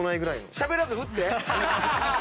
しゃべらず打って。